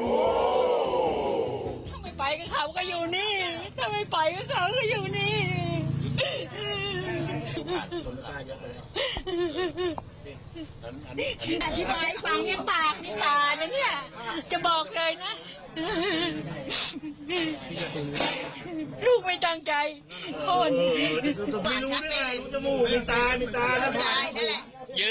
เฮ้อะไรเนี่ยจะฟากเนี่ยน้ำภาพเนี่ย